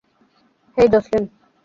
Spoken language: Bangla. হেই, জসলিন।